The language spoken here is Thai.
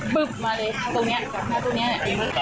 บึบมาเลยตรงนี้